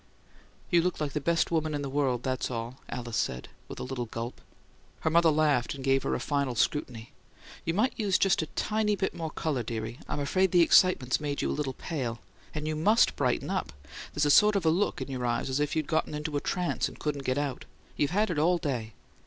"You look like the best woman in the world; that's all!" Alice said, with a little gulp. Her mother laughed and gave her a final scrutiny. "You might use just a tiny bit more colour, dearie I'm afraid the excitement's made you a little pale. And you MUST brighten up! There's sort of a look in your eyes as if you'd got in a trance and couldn't get out. You've had it all day.